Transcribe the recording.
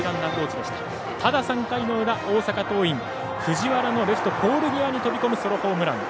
大阪桐蔭藤原のレフト、ポール際に飛び込むソロホームラン。